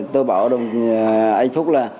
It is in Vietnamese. tôi bảo anh phúc là